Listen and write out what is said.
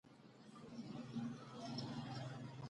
غزني د افغان تاریخ په ټولو کتابونو کې ذکر شوی دی.